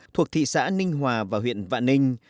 thuộc thị xã ninh hòa và huyện vạn ninh